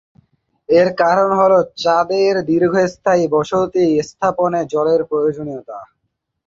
এর কারণ হল, চাঁদের দীর্ঘস্থায়ী বসতি স্থাপনে জলের প্রয়োজনীয়তা।